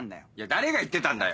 誰が言ってたんだよ。